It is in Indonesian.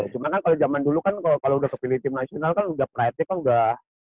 cuman kan kalau jaman dulu kan kalau udah kepilih tim nasional kan udah practice kan udah